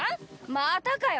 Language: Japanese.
またかよ。